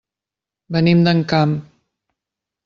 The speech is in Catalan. Venim d'Encamp.